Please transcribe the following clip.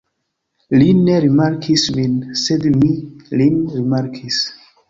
Li ne rimarkis min, sed mi – lin rimarkis.